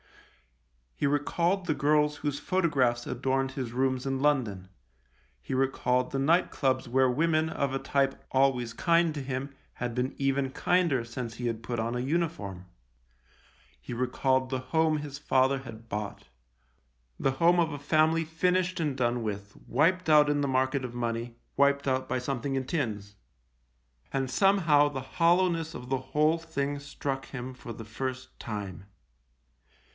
He recalled the girls whose photographs adorned his rooms in London ; he recalled the night clubs where women, of a type, always kind to him, had been even kinder since he had put on a uniform ; he recalled the home his father had bought — the home of a family, finished and done with, wiped out in the market of money, wiped out by something in tins ; and somehow the hollow ness of the whole thing struck him for the first time.